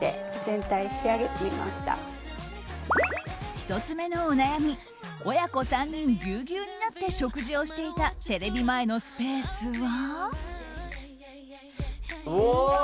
１つ目のお悩み親子３人ぎゅうぎゅうになって食事をしていたテレビ前のスペースは。